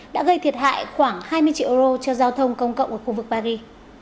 đã gây thiệt hại khoảng hai mươi triệu euro cho giao thông công cộng ở khu vực paris